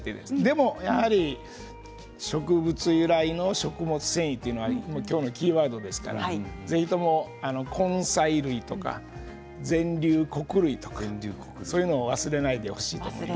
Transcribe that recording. でもやはり植物由来の食物繊維というのは今日のキーワードですから、ぜひとも根菜類とか全粒穀類とかそういうのを忘れないでほしいです。